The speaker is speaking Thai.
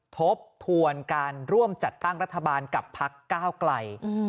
ทบทวนการร่วมจัดตั้งรัฐบาลกับพักก้าวไกล